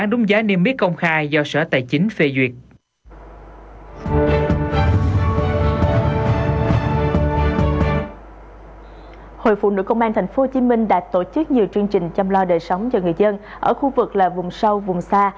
dược phẩm lo đời sống cho người dân ở khu vực là vùng sâu vùng xa